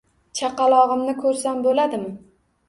Chaqalog`imni ko`rsam bo`ladimi